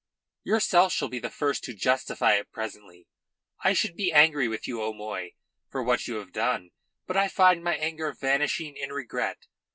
"Yourself shall be the first to justify it presently. I should be angry with you, O'Moy, for what you have done. But I find my anger vanishing in regret.